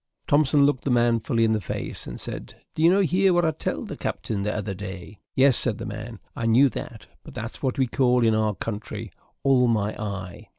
Thompson looked the man fully in the face, and said, "Did ye no hear what I telled the captain the ither day?" "Yes," said the man, "I knew that, but that's what we call in our country 'all my eye.'"